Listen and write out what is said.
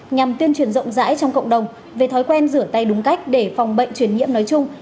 nhằm tuyên truyền rộng rãi trong cộng đồng về thói quen rửa tay đúng cách để phòng bệnh truyền nhiễm nói chung